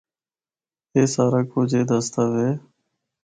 اے سارا کجھ اے دسدا وے۔